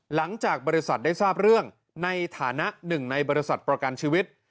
หลังจากบริษัทได้ทราบเรื่องในฐานะหนึ่งในบริษัทประกันชีวิต